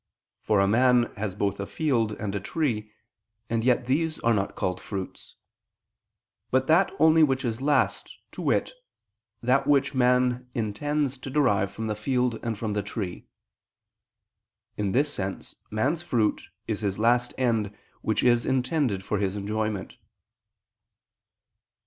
For a man has both a field and a tree, and yet these are not called fruits; but that only which is last, to wit, that which man intends to derive from the field and from the tree. In this sense man's fruit is his last end which is intended for his enjoyment.